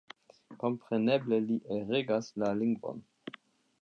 Kompreneble li elregas la lingvon.